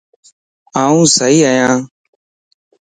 آن سئي ائين